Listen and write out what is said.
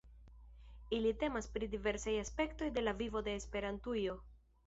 Ili temas pri diversaj aspektoj de la vivo de Esperantujo.